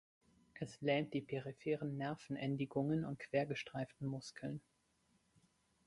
Es lähmt die peripheren Nervenendigungen und quergestreiften Muskeln.